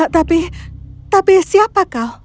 tapi tapi siapa kau